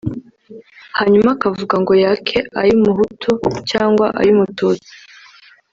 hanyuma akavuga ngo yake ay’umuhutu cyangwa ay’umututsi